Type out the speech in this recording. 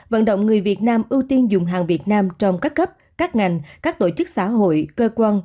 vận động người việt nam ưu tiên dùng hàng việt nam trong các cấp các ngành các tổ chức xã hội cơ quan